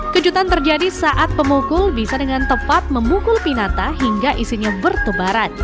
kejutan terjadi saat pemukul bisa dengan tepat memukul pinata hingga isinya bertebaran